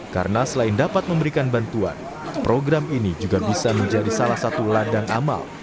karena selain dapat memberikan bantuan program ini juga bisa menjadi salah satu ladang amal